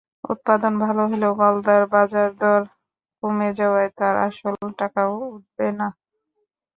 উৎপাদন ভালো হলেও গলদার বাজারদর কমে যাওয়ায় তাঁর আসল টাকাও উঠবে না।